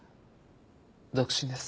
独身です。